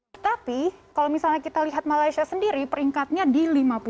tetapi kalau misalnya kita lihat malaysia sendiri peringkatnya di lima puluh tujuh